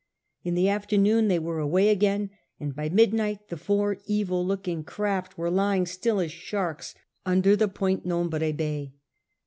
In the afternoon they were away again, and by midnight the four evil looking craft were lying still as sharks under the point Nombre Bay.